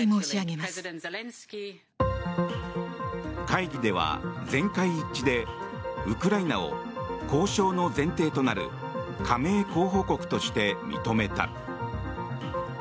会議では全会一致でウクライナを交渉の前提となる加盟候補国として認めた。